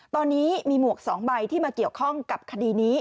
ตอนนี้มีหมวก๒ใบที่มาเกี่ยวข้องกับคดีนี้